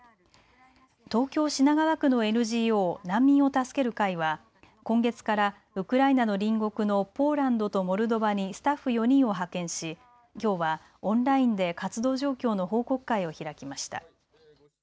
東京品川区のＮＧＯ難民を助ける会は今月からウクライナの隣国のポーランドとモルドバにスタッフ４人を派遣しきょうはオンラインで活動状況の報告会を開きました。